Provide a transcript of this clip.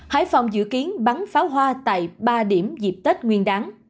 hải phòng dự kiến bắn pháo hoa tại ba điểm dịp tết nguyên đáng